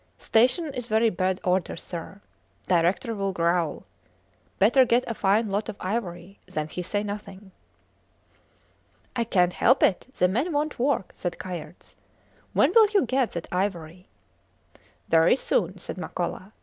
Station in very bad order, sir. Director will growl. Better get a fine lot of ivory, then he say nothing. I cant help it; the men wont work, said Kayerts. When will you get that ivory? Very soon, said Makola.